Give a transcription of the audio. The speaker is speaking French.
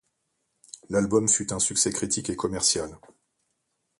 L'album fut un succès critique et commercial.